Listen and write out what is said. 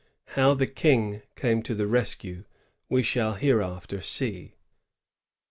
How the King came to the rescue, we shall hereafter see.